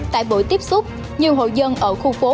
tại bữa tiếp xúc nhiều hội dân ở khu phố